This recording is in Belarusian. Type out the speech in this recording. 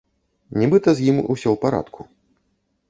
Нібыта з ім усё ў парадку.